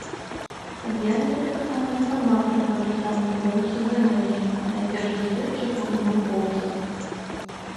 З'явіцца таксама інфарматар з адрасамі беларусаў замежжа, найперш даследчыкаў і навукоўцаў.